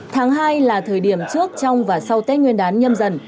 tháng hai là thời điểm trước trong và sau tết nguyên đán nhâm dần